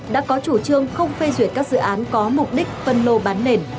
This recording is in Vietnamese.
đã có chủ trương không phê duyệt các dự án có mục đích phân lô bán nền